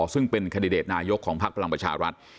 ซึ่งเป็นคันดิเดตนายกของพักพลังประชารัฐ